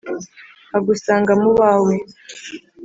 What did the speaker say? nkagusanga mu bawe